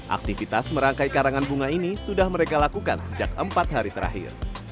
aktivitas merangkai karangan bunga ini sudah mereka lakukan sejak empat hari terakhir